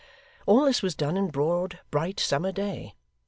All this was done in broad, bright, summer day.